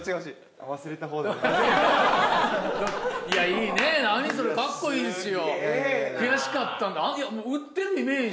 いやいいね。